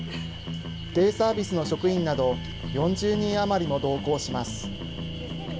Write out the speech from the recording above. デイサービスの職員など４０人余りも同行します。